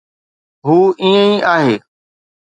هو ائين ئي آهي